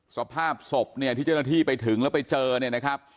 สภาพศพเนี่ยที่เจ้าหน้าที่ไปถึงแล้วไปเจอเนี่ยนะครับ